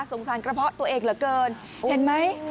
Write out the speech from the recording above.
สารกระเพาะตัวเองเหลือเกินเห็นไหม